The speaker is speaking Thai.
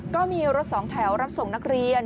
ก็มีรถสองแถวรับส่งนักเรียน